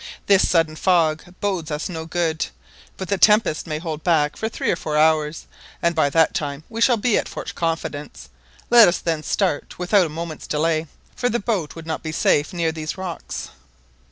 This sudden fog bodes us no good; but the tempest may hold back for three or four hours, and by that time we shall be at Fort Confidence. Let us then start without a moment's delay, for the boat would not be safe near these rocks."